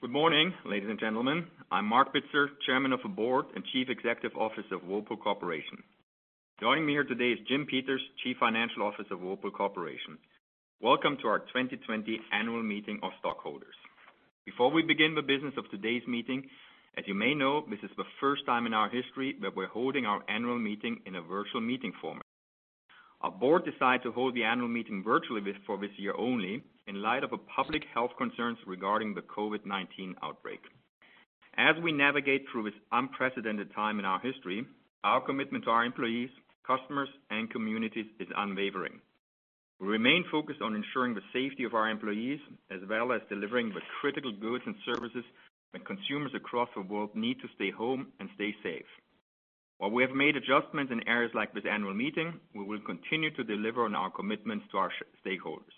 Good morning, ladies and gentlemen. I'm Marc Bitzer, Chairman of the Board and Chief Executive Officer of Whirlpool Corporation. Joining me here today is Jim Peters, Chief Financial Officer of Whirlpool Corporation. Welcome to our 2020 annual meeting of stockholders. Before we begin the business of today's meeting, as you may know, this is the first time in our history that we're holding our annual meeting in a virtual meeting format. Our board decided to hold the annual meeting virtually for this year only in light of public health concerns regarding the COVID-19 outbreak. As we navigate through this unprecedented time in our history, our commitment to our employees, customers, and communities is unwavering. We remain focused on ensuring the safety of our employees, as well as delivering the critical goods and services that consumers across the world need to stay home and stay safe. While we have made adjustments in areas like this annual meeting, we will continue to deliver on our commitments to our stakeholders.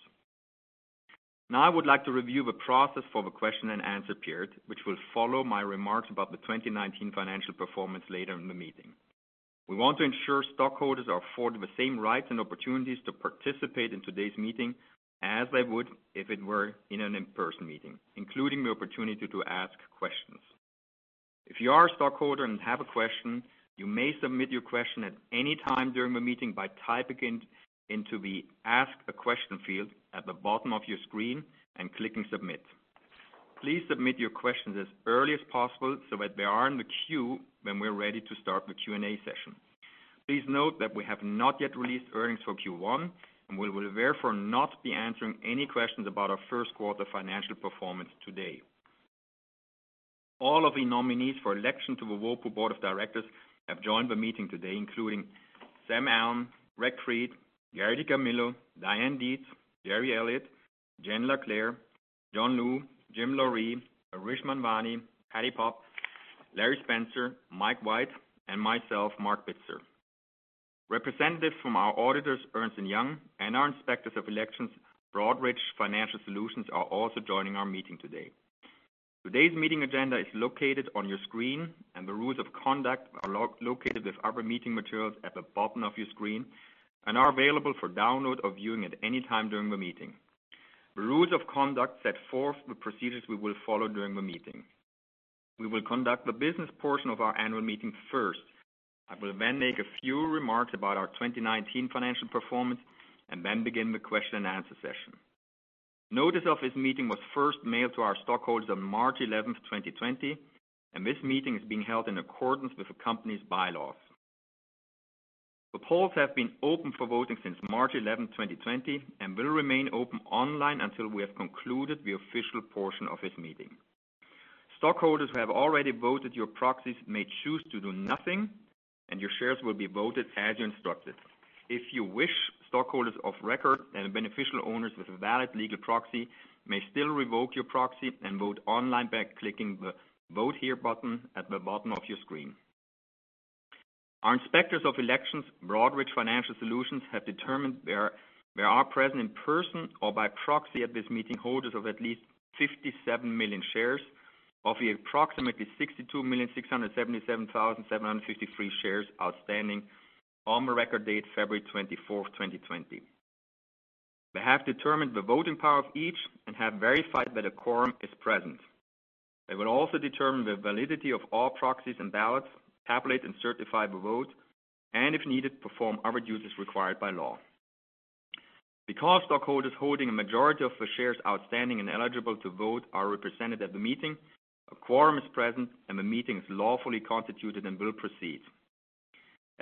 I would like to review the process for the question and answer period, which will follow my remarks about the 2019 financial performance later in the meeting. We want to ensure stockholders are afforded the same rights and opportunities to participate in today's meeting as they would if it were in an in-person meeting, including the opportunity to ask questions. If you are a stockholder and have a question, you may submit your question at any time during the meeting by typing into the Ask a Question field at the bottom of your screen and clicking Submit. Please submit your questions as early as possible so that they are in the queue when we're ready to start the Q&A session. Please note that we have not yet released earnings for Q1, and we will therefore not be answering any questions about our first quarter financial performance today. All of the nominees for election to the Whirlpool Board of Directors have joined the meeting today, including Sam Allen, Greg Creed, Gary DiCamillo, Diane Dietz, Gerri Elliott, Jennifer LaClair, John Liu, Jim Loree, Harish Manwani, Patti Poppe, Larry Spencer, Mike White, and myself, Marc Bitzer. Representatives from our auditors, Ernst & Young, and our inspectors of elections, Broadridge Financial Solutions, are also joining our meeting today. Today's meeting agenda is located on your screen, and the rules of conduct are located with other meeting materials at the bottom of your screen and are available for download or viewing at any time during the meeting. The rules of conduct set forth the procedures we will follow during the meeting. We will conduct the business portion of our annual meeting first. I will then make a few remarks about our 2019 financial performance and then begin the question and answer session. Notice of this meeting was first mailed to our stockholders on March 11th, 2020. This meeting is being held in accordance with the company's bylaws. The polls have been open for voting since March 11th, 2020, and will remain open online until we have concluded the official portion of this meeting. Stockholders who have already voted your proxies may choose to do nothing. Your shares will be voted as you instructed. If you wish, stockholders of record and beneficial owners with a valid legal proxy may still revoke your proxy and vote online by clicking the Vote Here button at the bottom of your screen. Our inspectors of elections, Broadridge Financial Solutions, have determined there are present in person or by proxy at this meeting holders of at least 57 million shares of the approximately 62,677,753 shares outstanding on the record date February 24th, 2020. They have determined the voting power of each and have verified that a quorum is present. They will also determine the validity of all proxies and ballots, tabulate and certify the vote, and if needed, perform other duties required by law. Because stockholders holding a majority of the shares outstanding and eligible to vote are represented at the meeting, a quorum is present, and the meeting is lawfully constituted and will proceed.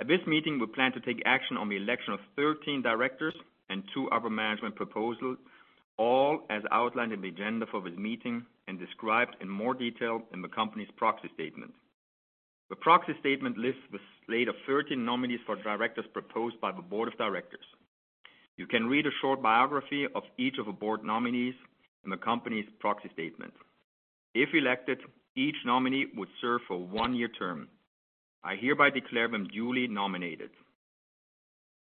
At this meeting, we plan to take action on the election of 13 directors and two other management proposals, all as outlined in the agenda for this meeting and described in more detail in the company's proxy statement. The proxy statement lists the slate of 13 nominees for directors proposed by the board of directors. You can read a short biography of each of the board nominees in the company's proxy statement. If elected, each nominee would serve for a one-year term. I hereby declare them duly nominated.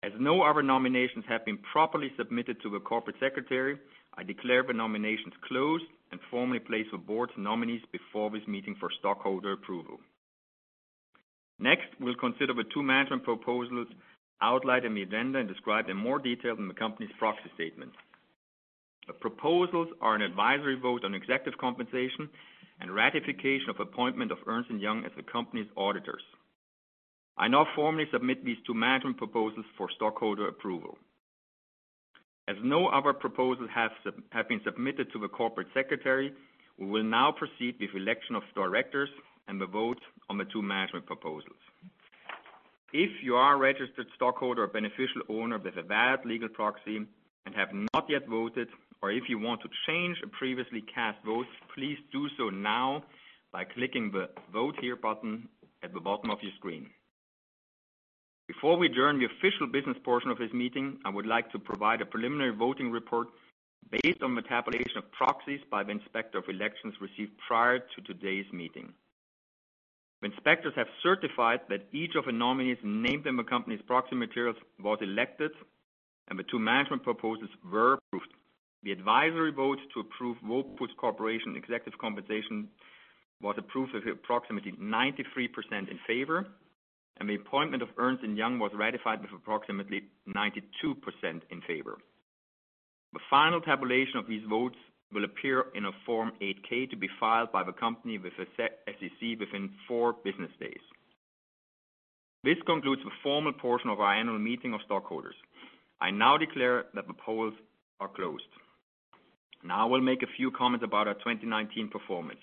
As no other nominations have been properly submitted to the corporate secretary, I declare the nominations closed and formally place the board's nominees before this meeting for stockholder approval. Next, we'll consider the two management proposals outlined in the agenda and described in more detail in the company's proxy statement. The proposals are an advisory vote on executive compensation and ratification of appointment of Ernst & Young as the company's auditors. I now formally submit these two management proposals for stockholder approval. As no other proposals have been submitted to the corporate secretary, we will now proceed with election of directors and the vote on the two management proposals. If you are a registered stockholder or beneficial owner with a valid legal proxy and have not yet voted, or if you want to change a previously cast vote, please do so now by clicking the Vote Here button at the bottom of your screen. Before we adjourn the official business portion of this meeting, I would like to provide a preliminary voting report based on the tabulation of proxies by the inspector of elections received prior to today's meeting. The inspectors have certified that each of the nominees named in the company's proxy materials was elected and the two management proposals were approved. The advisory vote to approve Whirlpool Corporation executive compensation was approved with approximately 93% in favor, and the appointment of Ernst & Young was ratified with approximately 92% in favor. The final tabulation of these votes will appear in a Form 8-K to be filed by the company with the SEC within four business days. This concludes the formal portion of our annual meeting of stockholders. I now declare that the polls are closed. I will make a few comments about our 2019 performance,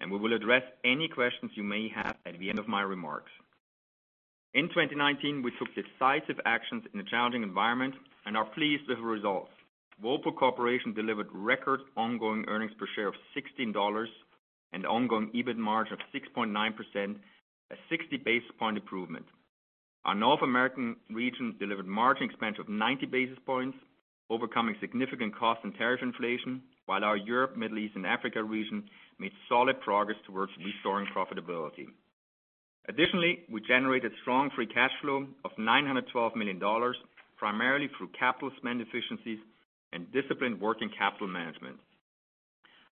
and we will address any questions you may have at the end of my remarks. In 2019, we took decisive actions in a challenging environment and are pleased with the results. Whirlpool Corporation delivered record ongoing earnings per share of $16 and ongoing EBIT margin of 6.9%, a 60 basis point improvement. Our North American region delivered margin expansion of 90 basis points, overcoming significant cost and tariff inflation, while our Europe, Middle East, and Africa region made solid progress towards restoring profitability. Additionally, we generated strong free cash flow of $912 million, primarily through capital spend efficiencies and disciplined working capital management.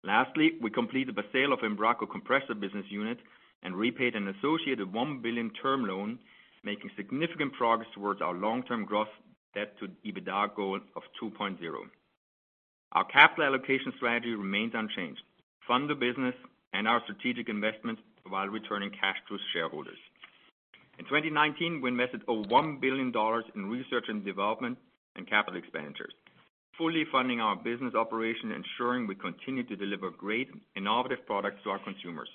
Lastly, we completed the sale of Embraco Compressor business unit and repaid an associated $1 billion term loan, making significant progress towards our long-term growth debt to EBITDA goal of 2.0. Our capital allocation strategy remains unchanged. Fund the business and our strategic investments while returning cash to shareholders. In 2019, we invested over $1 billion in research and development and capital expenditures, fully funding our business operation, ensuring we continue to deliver great innovative products to our consumers.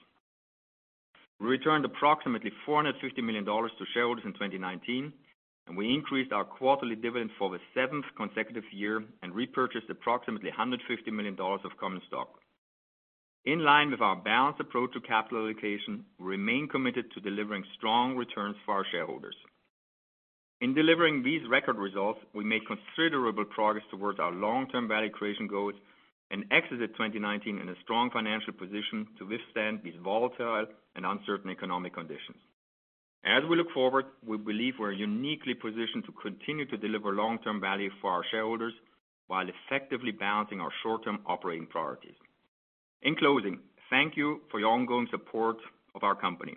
We returned approximately $450 million to shareholders in 2019, and we increased our quarterly dividend for the seventh consecutive year and repurchased approximately $150 million of common stock. In line with our balanced approach to capital allocation, we remain committed to delivering strong returns for our shareholders. In delivering these record results, we made considerable progress towards our long-term value creation goals and exited 2019 in a strong financial position to withstand these volatile and uncertain economic conditions. As we look forward, we believe we're uniquely positioned to continue to deliver long-term value for our shareholders while effectively balancing our short-term operating priorities. In closing, thank you for your ongoing support of our company.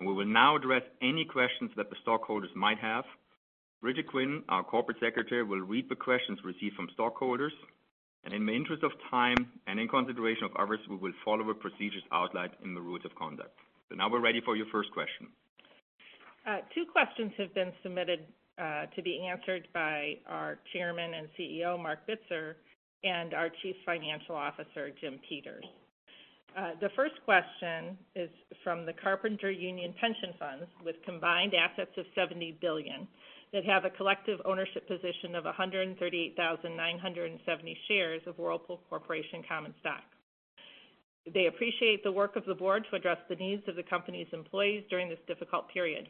We will now address any questions that the stockholders might have. Bridget Quinn, our Corporate Secretary, will read the questions received from stockholders, in the interest of time and in consideration of others, we will follow the procedures outlined in the rules of conduct. Now we're ready for your first question. Two questions have been submitted to be answered by our Chairman and CEO, Marc Bitzer, and our Chief Financial Officer, Jim Peters. The first question is from the Carpenters Union Pension Funds with combined assets of $70 billion that have a collective ownership position of 138,970 shares of Whirlpool Corporation common stock. They appreciate the work of the Board to address the needs of the company's employees during this difficult period.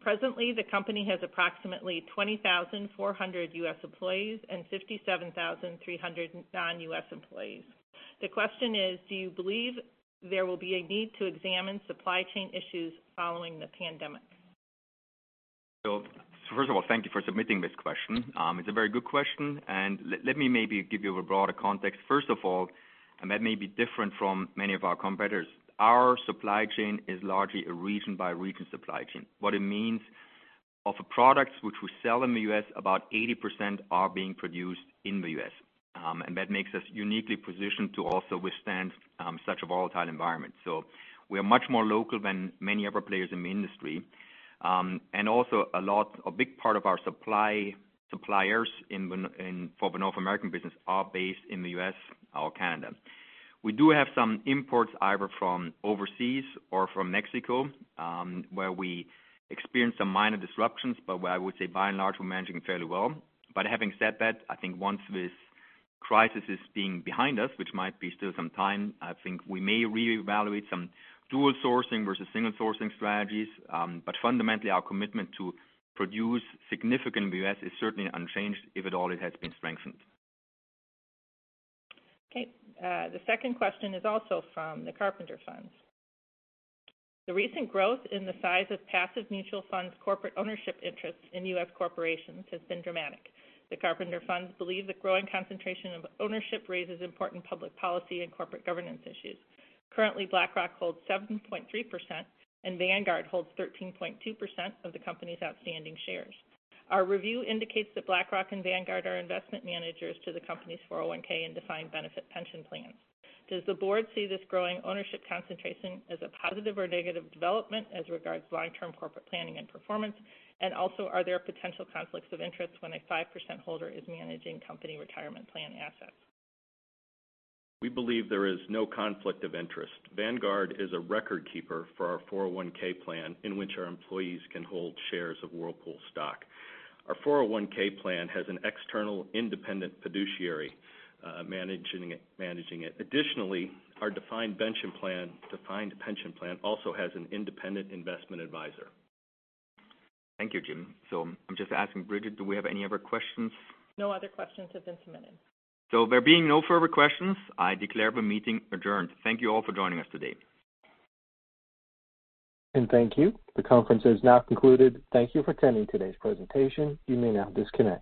Presently, the company has approximately 20,400 U.S. employees and 57,300 non-U.S. employees. The question is, do you believe there will be a need to examine supply chain issues following the pandemic? First of all, thank you for submitting this question. It's a very good question, and let me maybe give you a broader context. First of all, that may be different from many of our competitors, our supply chain is largely a region by region supply chain. What it means, of the products which we sell in the U.S., about 80% are being produced in the U.S. That makes us uniquely positioned to also withstand such a volatile environment. We are much more local than many other players in the industry. Also a lot, a big part of our suppliers for the North American business are based in the U.S. or Canada. We do have some imports either from overseas or from Mexico, where we experienced some minor disruptions, but where I would say by and large, we're managing fairly well. Having said that, I think once this crisis is being behind us, which might be still some time, I think we may reevaluate some dual sourcing versus single sourcing strategies. Fundamentally, our commitment to produce significant in the U.S. is certainly unchanged. If at all, it has been strengthened. Okay. The second question is also from the Carpenters Funds. The recent growth in the size of passive mutual funds corporate ownership interests in U.S. corporations has been dramatic. The Carpenters Funds believe the growing concentration of ownership raises important public policy and corporate governance issues. Currently, BlackRock holds 7.3% and Vanguard holds 13.2% of the company's outstanding shares. Our review indicates that BlackRock and Vanguard are investment managers to the company's 401(k) and defined benefit pension plans. Does the board see this growing ownership concentration as a positive or negative development as regards long-term corporate planning and performance? Also, are there potential conflicts of interest when a 5% holder is managing company retirement plan assets? We believe there is no conflict of interest. Vanguard is a record keeper for our 401 plan in which our employees can hold shares of Whirlpool stock. Our 401 plan has an external independent fiduciary managing it. Additionally, our defined pension plan also has an independent investment advisor. Thank you, Jim. I'm just asking Bridget, do we have any other questions? No other questions have been submitted. There being no further questions, I declare the meeting adjourned. Thank you all for joining us today. Thank you. The conference has now concluded. Thank you for attending today's presentation. You may now disconnect.